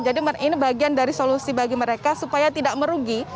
jadi ini bagian dari solusi bagi mereka supaya tidak merugi